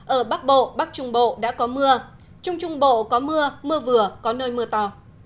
ở bắc bộ bắc trung bộ đã có mưa trung trung bộ có mưa mưa vừa có nơi mưa to